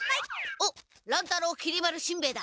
おっ乱太郎きり丸しんべヱだ！